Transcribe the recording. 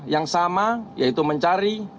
yang sama yaitu mencari